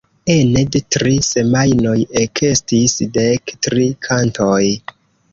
Ene de tri semajnoj ekestis dek tri kantoj.